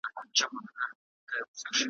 انجنیر سلطان جان کلیوال د ښې شاعرۍ تر څنګ ,